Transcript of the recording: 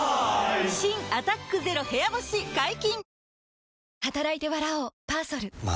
新「アタックＺＥＲＯ部屋干し」解禁‼